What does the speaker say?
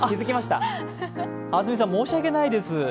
安住さん、申し訳ないです。